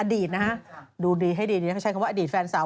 อดีตนะฮะดูดีให้ดีนี่เขาใช้คำว่าอดีตแฟนสาว